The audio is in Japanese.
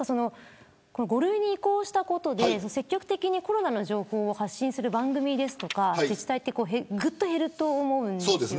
５類に移行したことで積極的にコロナの情報を発信する番組や自治体はぐっと減ると思うんです。